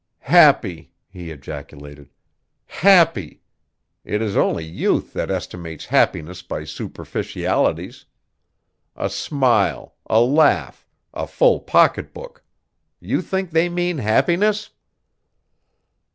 "Happy!" he ejaculated, "happy! It is only youth that estimates happiness by superficialities. A smile, a laugh, a full pocketbook! You think they mean happiness?"